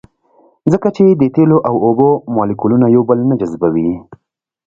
ځکه چې د تیلو او اوبو مالیکولونه یو بل نه جذبوي